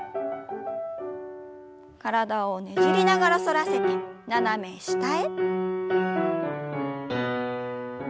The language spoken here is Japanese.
体をねじりながら反らせて斜め下へ。